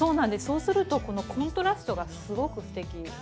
そうするとこのコントラストがすごくすてきです。